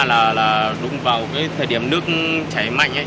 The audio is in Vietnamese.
là rung vào thời điểm nước chảy mạnh